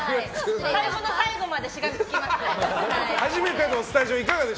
最後の最後までしがみつきますので。